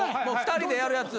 ２人でやるやつ。